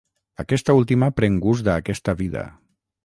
Aquesta última pren gust a aquesta vida.